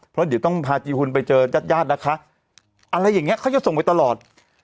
เพราะเดี๋ยวต้องพาจีหุ่นไปเจอญาติญาตินะคะอะไรอย่างเงี้เขาจะส่งไปตลอด